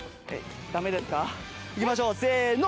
駄目ですかいきましょうせの。